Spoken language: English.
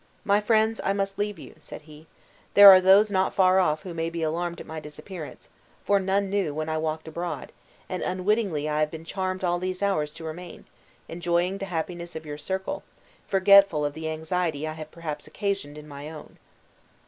"My friends, I must leave you," said he; "there are those not far off who may be alarmed at my disappearance, for none knew when I walked abroad, and unwittingly I have been charmed all these hours to remain, enjoying the happiness of your circle, forgetful of the anxiety I have perhaps occasioned in my own."